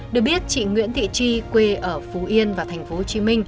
được biết chị nguyễn thị tri quê ở phú yên và tp hcm